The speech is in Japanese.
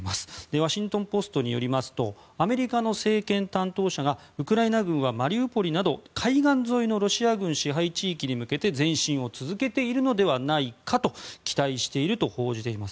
ワシントン・ポストによりますとアメリカの政権担当者がウクライナ軍はマリウポリなど海岸沿いのロシア軍支配地域に向けて前進を続けているのではないかと期待していると報じています。